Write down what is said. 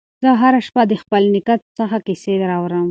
زه هره شپه د خپل نیکه څخه کیسې اورم.